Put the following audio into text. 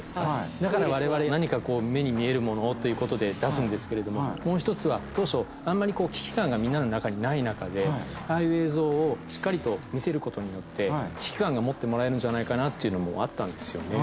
だから我々。っていうことで出すんですけれどももう一つは当初あんまり危機感がみんなの中にない中でああいう映像をしっかりと見せることによって危機感を持ってもらえるんじゃないかなっていうのもあったんですよね。